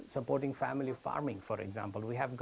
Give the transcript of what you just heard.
seperti mendukung pemakaman keluarga